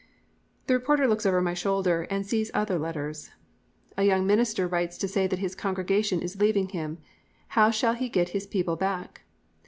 The reporter looks over my shoulder and sees other letters. "A young minister writes to say that his congregation is leaving him. How shall he get his people back?